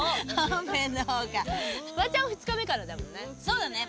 フワちゃん２日目からだもんね。